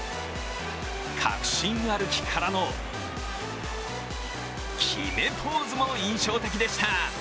確信歩きからの決めポーズも印象的でした。